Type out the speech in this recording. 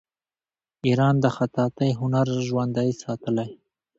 ایران د خطاطۍ هنر ژوندی ساتلی.